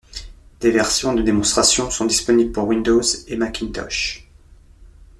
Des versions de démonstration sont disponibles pour Windows et Macintosh.